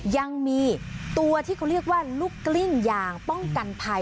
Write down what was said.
ยังมีตัวที่เขาเรียกว่าลูกกลิ้งยางป้องกันภัย